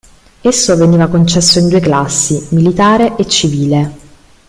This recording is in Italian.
Esso veniva concesso in due classi, militare e civile.